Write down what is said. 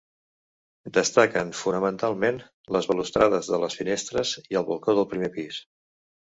Destaquen fonamentalment les balustrades de les finestres i el balcó del primer pis.